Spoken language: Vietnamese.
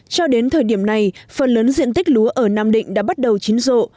cho đến thời điểm này phần lớn diện tích lúa ở nam định đã bắt đầu chín rộ